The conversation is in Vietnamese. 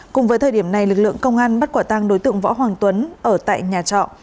cùng với thời điểm này lực lượng công an bắt quả tăng đối tượng võ hoàng tuấn ở tại nhà trọ